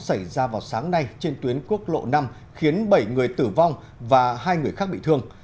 xảy ra vào sáng nay trên tuyến quốc lộ năm khiến bảy người tử vong và hai người khác bị thương